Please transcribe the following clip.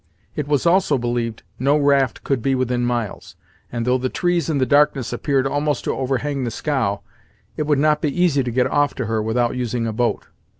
It was also believed no raft could be within miles; and though the trees in the darkness appeared almost to overhang the scow, it would not be easy to get off to her without using a boat.